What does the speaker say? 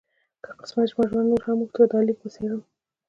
که قسمت زما ژوند نور هم اوږد کړ دا لیک به څېرم.